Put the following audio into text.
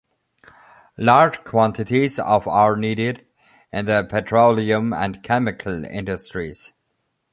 Large quantities of are needed in the petroleum and chemical industries.